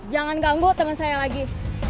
jangan ganggu teman saya lagi